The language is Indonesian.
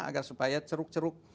agar supaya ceruk ceruk